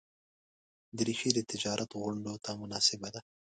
دریشي د تجارت غونډو ته مناسبه ده.